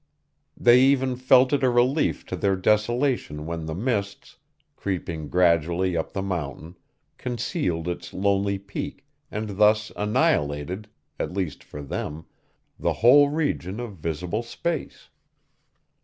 They even felt it a relief to their desolation when the mists, creeping gradually up the mountain, concealed its lonely peak, and thus annihilated, at least for them, the whole region of visible space.